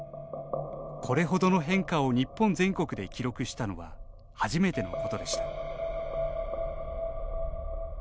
これほどの変化を日本全国で記録したのは初めてのことでした。